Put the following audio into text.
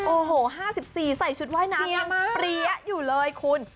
โอ้โห๕๔ใส่ชุดว่ายน้ำยังเปรี้ยอยู่เลยคุณ